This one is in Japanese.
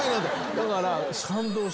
だから。